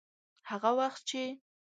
هغه وخت چې.